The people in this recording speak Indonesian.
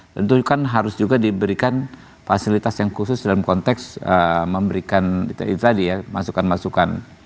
tentu kan harus juga diberikan fasilitas yang khusus dalam konteks memberikan itu tadi ya masukan masukan